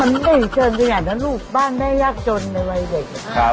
มันเหมือนเกินสักอย่างนะลูกบ้านแม่ยากจนในวัยเด็ก